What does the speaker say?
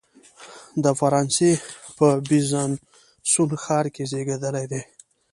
د فرانسې په بیزانسوون ښار کې زیږېدلی دی.